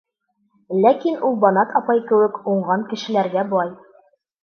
Ләкин ул Банат апай кеүек уңған кешеләргә бай.